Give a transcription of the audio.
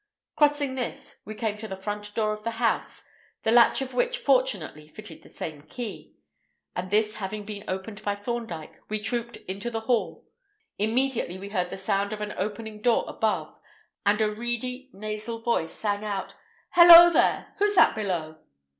Crossing this, we came to the front door of the house, the latch of which fortunately fitted the same key; and this having been opened by Thorndyke, we trooped into the hall. Immediately we heard the sound of an opening door above, and a reedy, nasal voice sang out: "Hello, there! Who's that below?"